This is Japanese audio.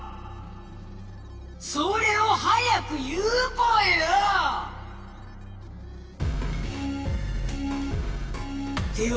それを早く言うぽよ！